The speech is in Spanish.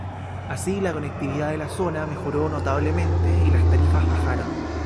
Así la conectividad de la zona mejoró notablemente y las tarifas bajaron.